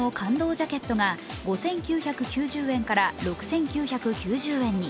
ジャケットが５９９０円から６９９０円に。